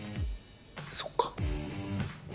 そっか。